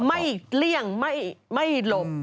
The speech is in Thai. เลี่ยงไม่หลบ